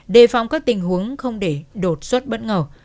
đề phòng các tình huống không để đột xuất bất ngờ